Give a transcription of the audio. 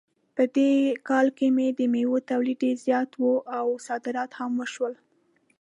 په دې کال کې د میوو تولید ډېر زیات و او صادرات هم وشول